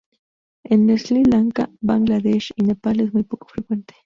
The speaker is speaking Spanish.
En Sri Lanka, Bangla Desh y Nepal es muy poco frecuente.